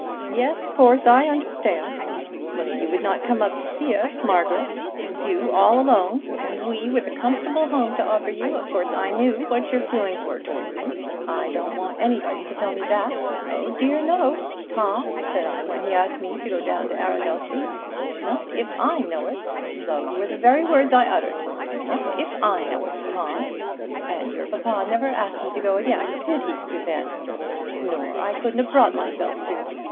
"Yes; of course; I understand. When you would not come up to see us, Margaret, and you all alone, and we with a comfortable home to offer you, of course I knew what your feelings were towards me. I don't want anybody to tell me that! Oh dear, no! 'Tom,' said I when he asked me to go down to Arundel Street, 'not if I know it.' Those were the very words I uttered: 'Not if I know it, Tom!' And your papa never asked me to go again did he, Susanna? Nor I couldn't have brought myself to.